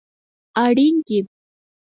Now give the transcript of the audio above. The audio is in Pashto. اړین دي